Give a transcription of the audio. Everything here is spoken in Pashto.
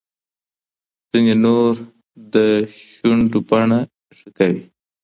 ځینې نور د شونډو بڼه ښه کوي.